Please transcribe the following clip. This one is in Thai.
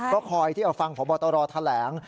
ก็คอยที่เอาฟังพบตรแถลง